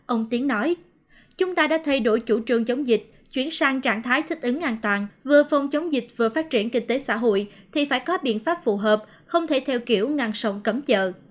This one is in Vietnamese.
ông tiếng nói chúng ta đã thay đổi chủ trương chống dịch chuyển sang trạng thái thích ứng an toàn vừa phòng chống dịch vừa phát triển kinh tế xã hội thì phải có biện pháp phù hợp không thể theo kiểu ngàn sống cấm chợ